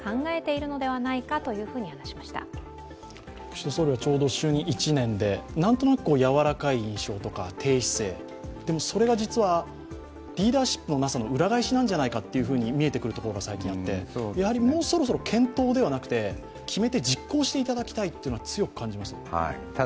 岸田総理はちょうど就任１年で何となくやわらかい印象とか低姿勢、それが実はリーダーシップのなさの裏返しなんじゃないかというのが見えてくるところが最近あってもうそろそろ検討ではなくて、決めて実行していただきたいというのは強く感じました。